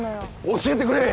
教えてくれ！